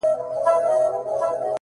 • سمدستي یې لاندي ټوپ وو اچولی ,